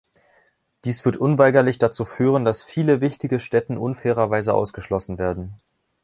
Dies wird unweigerlich dazu führen, dass viele wichtige Stätten unfairerweise ausgeschlossen werden.